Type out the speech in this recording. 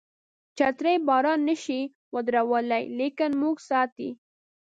چترۍ باران نشي ودرولای لیکن موږ ساتي.